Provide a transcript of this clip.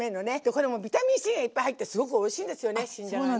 これもうビタミンＣがいっぱい入ってすごくおいしいんですよね新じゃがね。